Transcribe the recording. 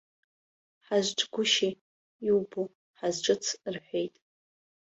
Ҳазҿгәышьеи, иубо, ҳазҿыц рҳәеит.